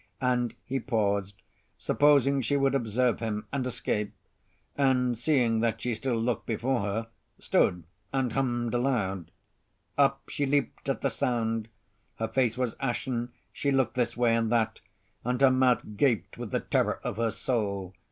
And he paused, supposing she would observe him and escape; and seeing that she still looked before her, stood and hummed aloud. Up she leaped at the sound. Her face was ashen; she looked this way and that, and her mouth gaped with the terror of her soul.